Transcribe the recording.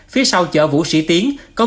phía sau chợ vũ sĩ tiến